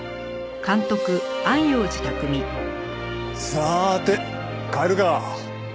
さて帰るか。